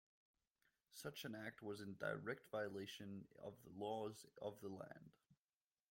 Such an act was in direct violation of the laws of the land.